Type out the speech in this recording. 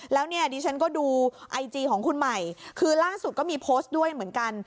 แล้วเนี่ยดิฉันก็ดูไอจีของคุณใหม่คือล่าสุดก็มีโพสต์ด้วยเหมือนกัน